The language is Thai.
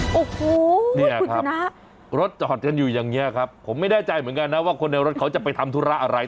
โอ้โหเนี่ยครับรถจอดกันอยู่อย่างนี้ครับผมไม่แน่ใจเหมือนกันนะว่าคนในรถเขาจะไปทำธุระอะไร